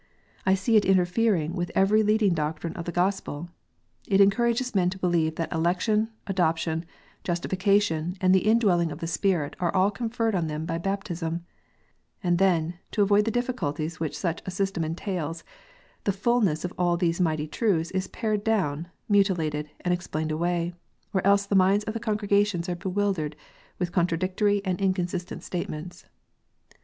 I see it interfering with every leading doctrine of the Gospel ; it encourages men to believe that election, adoption, justification, and the indwelling of the Spirit, are all conferred on them in baptism ; and then, to avoid the difficulties which such a system entails, the fulness of all these mighty truths is pared down, mutilated, and explained away ; or else the minds of congregations are bewildered with contradictory and incon sistent statements.